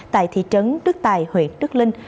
tại thị trấn đức tài huyện đức linh